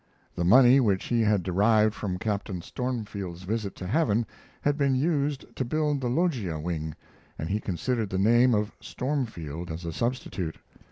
The money which he had derived from Captain Stormfield's Visit to Heaven had been used to build the loggia wing, and he considered the name of "Stormfield" as a substitute.